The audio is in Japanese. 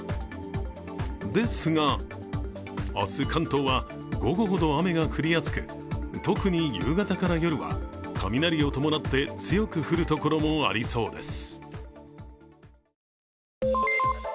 ですが、明日関東は午後ほど雨が降りやすく、特に夕方から夜は雷を伴って強く降るところもありそうです。